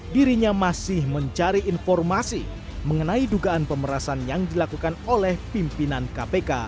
dirinya masih mencari informasi mengenai dugaan pemerasan yang dilakukan oleh pimpinan kpk